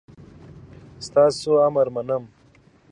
ستاسو امر منم